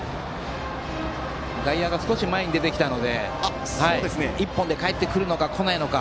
外野が少し前に出てきましたので１本でかえってくるのかこないのか。